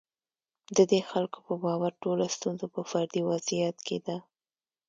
د دې خلکو په باور ټوله ستونزه په فردي وضعیت کې ده.